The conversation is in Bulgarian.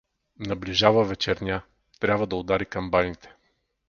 Наближава вечерня, трябва да удари камбаните.